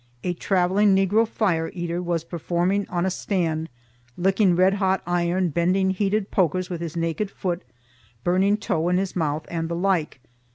A travelling Negro fire eater was performing on a stand, licking red hot iron, bending heated pokers with his naked foot, burning tow in his mouth, and the like.